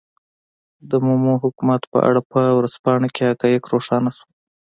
د مومو حکومت په اړه په ورځپاڼه کې حقایق روښانه شول.